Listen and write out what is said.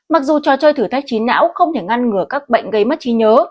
mặc dù trò chơi thử thách trí não không thể ngăn ngừa các bệnh gây mất trí nhớ